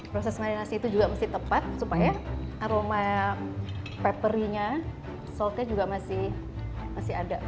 proses marinasi itu juga mesti tepat supaya aroma peppery nya soldnya juga masih ada